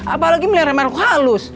apalagi miliaran mahluk halus